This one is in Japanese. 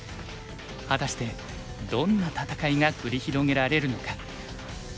果たしてどんな戦いが繰り広げられるのか。